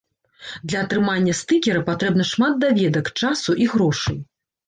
Для атрымання стыкера патрэбна шмат даведак, часу і грошай.